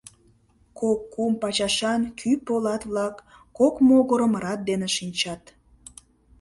Кок-кум пачашан кӱ полат-влак кок могырым рат дене шинчат.